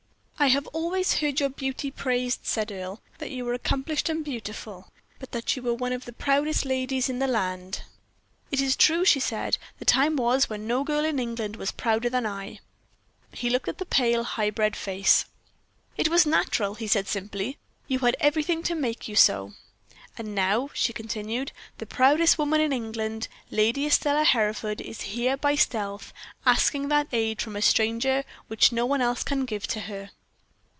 "I have always heard your beauty praised," said Earle, honestly "that you were accomplished and beautiful, but that you were one of the proudest ladies in the land." "It is true," she said; "the time was when no girl in England was prouder than I." He looked at the pale, high bred face. "It was natural," he said, simply; "you had everything to make you so." "And now," she continued, "the proudest woman in England, Lady Estelle Hereford, is here by stealth, asking that aid from a stranger which no one else can give to her."